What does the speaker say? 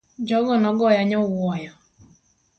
Jogo no goya nyowuoyo.